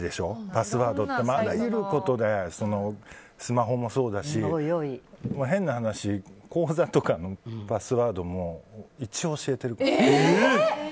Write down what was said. パスワードってあらゆることでスマホもそうだし変な話、口座とかのパスワードも一応教えてる。